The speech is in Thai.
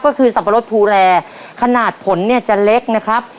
ก็คือสับปะรดภูแรขนาดผลเนี่ยจะเล็กนะครับ